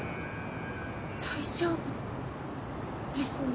大丈夫ですね。